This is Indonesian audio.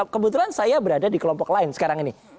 kebetulan saya berada di kelompok lain sekarang ini